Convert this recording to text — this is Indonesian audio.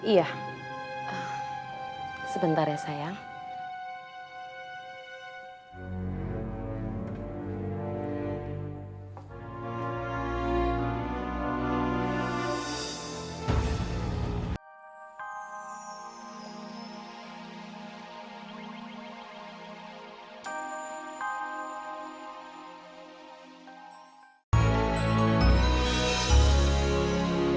iya sebentar ya sayang